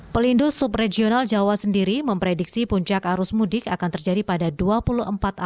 pelindo subregional jawa sendiri memprediksi puncak arus mudik akan terjadi pada dua puluh empat april dan tujuh belas mei untuk arus baliknya